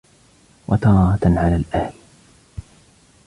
وَتَارَةً عَلَى الْأَهْلِ